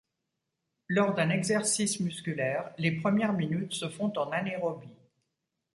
Lors d'un exercice musculaire, les premières minutes se font en anaérobie.